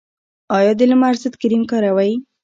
ایا د لمر ضد کریم کاروئ؟